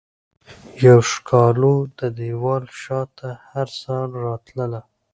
یوه ښکالو ددیوال شاته هرسحر راتلله